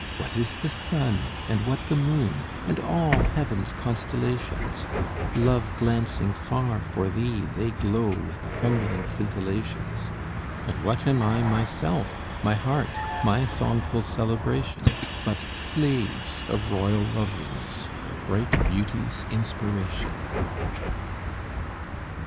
What is the sun, and what the moon, and all heaven's constellations? Love glancing far for thee they glow with trembling scintillations! And what am I myself, my heart, my songful celebration, But slaves of royal loveliness, bright beauty's inspiration!"